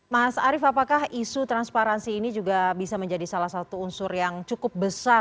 mas arief apakah isu transparansi ini juga bisa menjadi salah satu unsur yang cukup besar